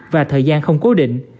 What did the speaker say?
và thời gian không cố định